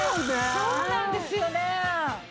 そうなんですよね。